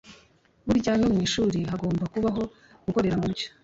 Burya no mu ishuri hagomba kubaho gukorera mu mucyo